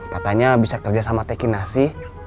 katanya bisa kerja sama teki nasi